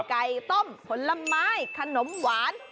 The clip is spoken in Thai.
ไก่ต้มผลไม้ขนมหวาน